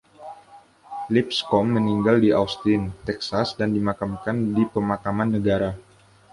Lipscomb meninggal di Austin, Texas dan dimakamkan di Pemakaman Negara.